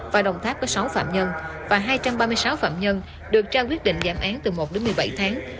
và đồng tháp có sáu phạm nhân và hai trăm ba mươi sáu phạm nhân được trao quyết định giảm án từ một đến một mươi bảy tháng